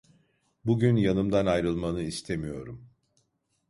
Bugün yanımdan ayrılmanı istemiyorum.